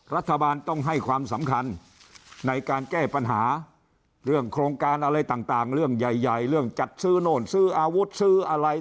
รัฐบาลต้องให้ความสำคัญในการแก้ปัญหาเรื่องโครงการอะไรต่างเรื่องใหญ่เรื่องจัดซื้อโน่นซื้ออาวุธซื้ออะไร